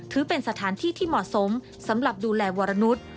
ถือเป็นสถานที่ที่เหมาะสมสำหรับดูแลวรนุษย์